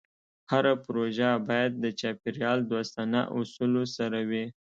هره پروژه باید د چاپېریال دوستانه اصولو سره وي.